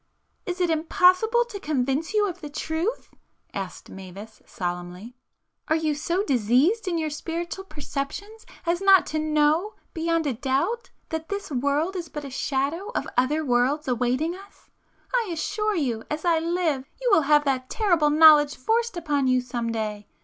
"Is it impossible to convince you of the truth?" asked Mavis solemnly,—"Are you so diseased in your spiritual perceptions as not to know, beyond a doubt, that this world is but the shadow of the Other Worlds awaiting us? I assure you, as I live, you will have that terrible knowledge forced upon you some day!